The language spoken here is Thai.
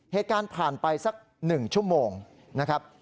เหตุการณ์ผ่านไปสัก๑ชั่วโมงนะครับ